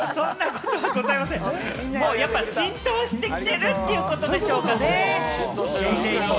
やっぱり浸透してきているってことでしょうかね？